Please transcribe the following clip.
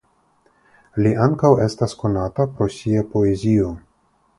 Li ankaŭ estas konata pro sia poezio.